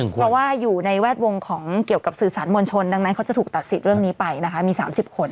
เพราะว่าอยู่ในแวดวงของเกี่ยวกับสื่อสารมวลชนดังนั้นเขาจะถูกตัดสิทธิ์เรื่องนี้ไปนะคะมี๓๐คน